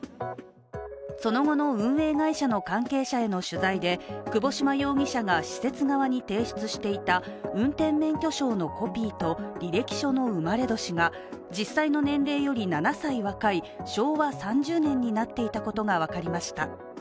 その後の運営会社の関係者への取材で窪島容疑者が施設側に提出していた運転免許証のコピーと履歴書の生まれ年が実際の年齢より７歳若い昭和３０年になっていたことが分かりました。